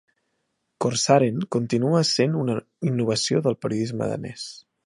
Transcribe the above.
"Corsaren" continua essent una innovació del periodisme danès.